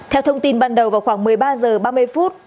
theo thông tin ban đầu vào khoảng một mươi ba h ba mươi phút